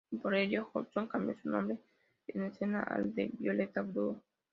Por ello Johnson cambió su nombre en escena al de Violetta Blue.